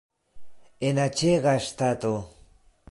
En aĉega stato!